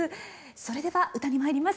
それでは歌に参ります。